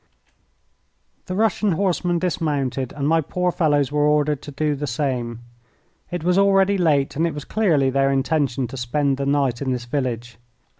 The Russian horsemen dismounted, and my poor fellows were ordered to do the same. It was already late, and it was clearly their intention to spend the night in this village.